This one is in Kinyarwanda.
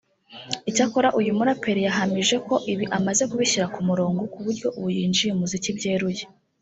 Icyakora uyu muraperi yahamije ko ibi amaze kubishyira ku murongo ku buryo ubu yinjiye umuziki byeruye